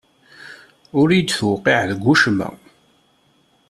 Ur iyi-tuqqiɛ deg ucemma.